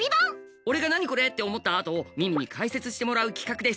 俺が「何これ？」って思ったあと美美に解説してもらう企画です。